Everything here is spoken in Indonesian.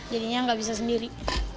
jadinya nggak bisa sendiri